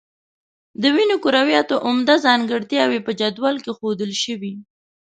د وینې کرویاتو عمده ځانګړتیاوې په جدول کې ښودل شوي.